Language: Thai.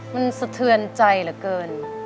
มันสะเทือนใจเหลือเกิน